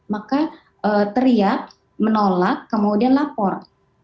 maka teriak menolak kemudian lapor